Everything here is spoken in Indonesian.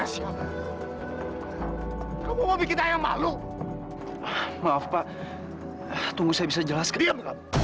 siapa siapa bikin ayam maluk maaf pak tunggu saya bisa jelas krim